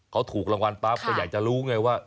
เขาถูกรางวัลปั๊บก็อยากจะรู้ไงว่า